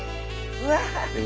うわ！